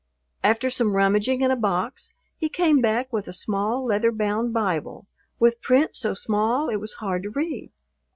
After some rummaging in a box he came back with a small leather bound Bible with print so small it was hard to read.